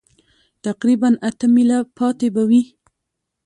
تقریباً اته مېله پاتې به وي.